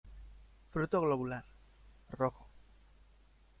Fruto globular, rojo.